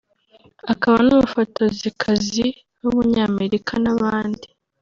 akaba n’umufotozikazi w’umunyamerika n’abandi